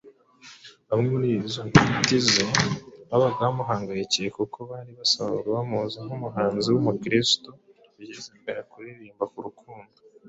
Bamwe muri zo nshuti ze babaga bamuhangayikiye kuko bari basanzwe bamuzi nk'umuhanzi w'umukristu ushyize imbere kuririmba ku rukundo,